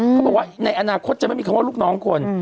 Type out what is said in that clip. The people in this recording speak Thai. เขาบอกว่าในอนาคตจะไม่มีคำว่าลูกน้องคน